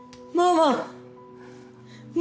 ママ。